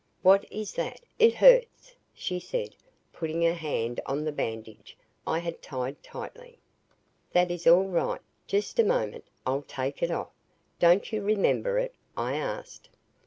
"What is that it hurts!" she said putting her hand on the bandage I had tied tightly. "That is all right. Just a moment. I'll take it off. Don't you remember it?" I asked.